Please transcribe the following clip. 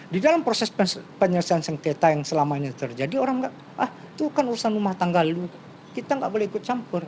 di dalam proses penyelesaian sengketa yang selama ini terjadi orang ah itu kan urusan rumah tangga lu kita nggak boleh ikut campur